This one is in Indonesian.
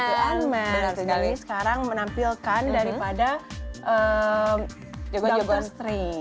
iron man ini sekarang menampilkan daripada doctor strange